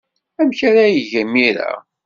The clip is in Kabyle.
Amek ara yeg imir-a?